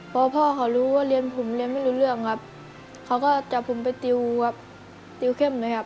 พอพ่อเขารู้ว่าเรียนผมเรียนไม่รู้เรื่องครับเขาก็จับผมไปติวครับติวเข้มเลยครับ